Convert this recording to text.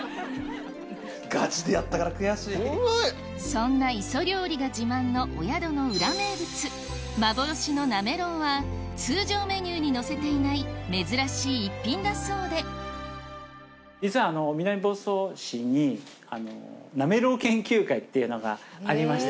そんな磯料理が自慢のお宿の裏名物幻のなめろうは通常メニューに載せていない珍しい逸品だそうで実は南房総市に。っていうのがありまして。